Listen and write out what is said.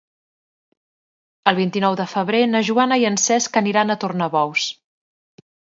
El vint-i-nou de febrer na Joana i en Cesc aniran a Tornabous.